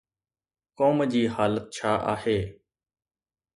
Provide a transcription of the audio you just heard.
قوم جي حالت ڇا آهي؟